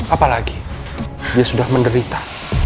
apalagi dia sudah menderita